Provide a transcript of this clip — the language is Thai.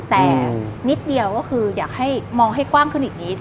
แต่นิดเดียวก็คืออยากให้มองให้กว้างขึ้นอีกนิด